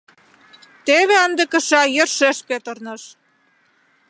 Теве ынде кыша йӧршеш петырныш.